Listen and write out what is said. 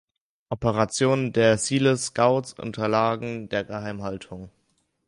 Operationen der Selous Scouts unterlagen der Geheimhaltung.